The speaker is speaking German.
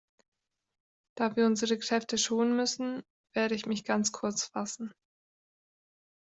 Da wir unsere Kräfte schonen müssen, werde ich mich ganz kurz fassen.